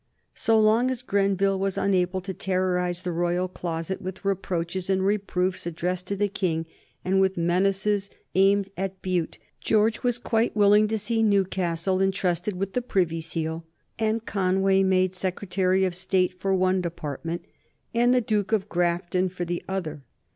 So long as Grenville was unable to terrorize the royal closet with reproaches and reproofs addressed to the King, and with menaces aimed at Bute, George was quite willing to see Newcastle intrusted with the Privy Seal, and Conway made Secretary of State for one department, and the Duke of Grafton for the other.